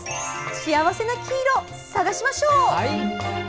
幸せな黄色、探しましょう！